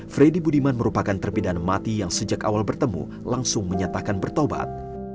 freddy budiman merupakan terpidana mati yang sejak awal bertemu langsung menyatakan bertobat